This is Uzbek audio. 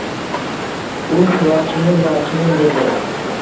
Uh lochinim lochinim dedi